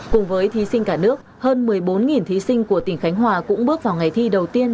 cùng với thí sinh cả nước hơn một mươi bốn thí sinh của tỉnh khánh hòa cũng bước vào ngày thi đầu tiên